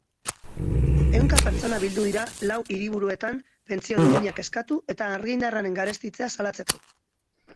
Ehunka pertsona bildu dira lau hiriburuetan pentsio duinak eskatu eta argindarraren garestitzea salatzeko.